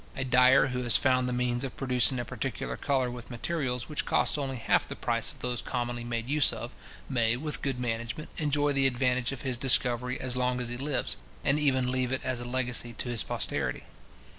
A dyer who has found the means of producing a particular colour with materials which cost only half the price of those commonly made use of, may, with good management, enjoy the advantage of his discovery as long as he lives, and even leave it as a legacy to his posterity.